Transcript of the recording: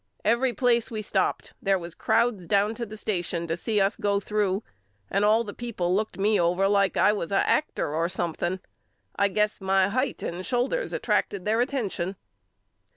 Every place we stopped there was crowds down to the station to see us go through and all the people looked me over like I was a actor or something. I guess my hight and shoulders attracted their attention.